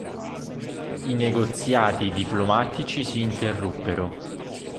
I negoziati diplomatici si interruppero.